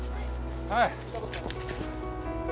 はい。